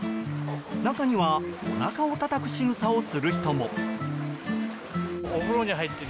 中には、おなかをたたくしぐさをする人も。